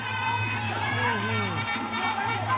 อืหือ